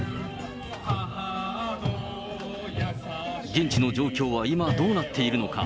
現地の状況は今どうなっているのか。